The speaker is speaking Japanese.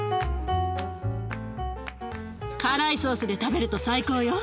辛いソースで食べると最高よ。